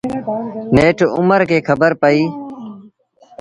نيٺ اُمر کي کبر پئيٚ۔